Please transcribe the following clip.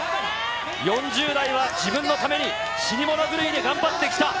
４０代は自分のために、死に物狂いで頑張ってきた。